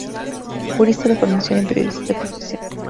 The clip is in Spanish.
Jurista de formación y periodista de profesión.